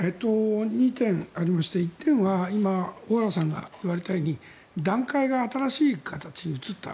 ２店ありまして１点は今、小原さんが言われたように段階が新しい形に移った。